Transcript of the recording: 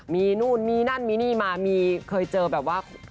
มีนู่นมีนั่นมีนี่มามีเคยเจอแบบว่า